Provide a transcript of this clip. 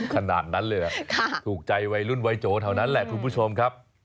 ขนาดนั้นเลยเหรอถูกใจไว้รุ่นไวโจทย์เท่านั้นแหละคุณผู้ชมครับค่ะ